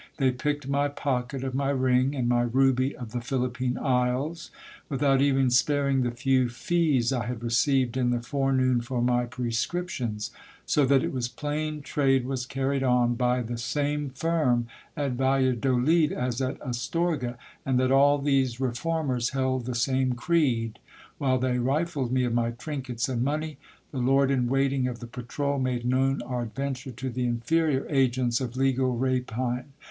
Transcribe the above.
They picked my pocket of my ring, and my ruby of the Philippine Isles ; without even sparing'the few fees I had received in the forenoon for my prescriptions : so that it was plain trade was carried on by the same firm at Valladolid as at Astorga, and that all these reformers held the same creed. While they rifled me of my trinkets and money, the lord in wait ing of the patrole made known our adventure to the inferior agents of legal rapine.